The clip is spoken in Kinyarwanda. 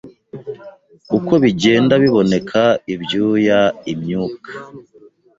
uko bigenda biboneka Ibyuya imyuka